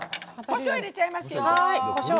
こしょう入れちゃいますよ。